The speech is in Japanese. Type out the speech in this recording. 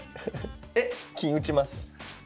えっ⁉金打ちます。